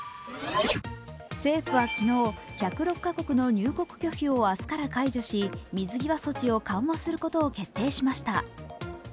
政府は昨日、１０６カ国の入国拒否を明日から解除し水際措置を緩和することを決定しました。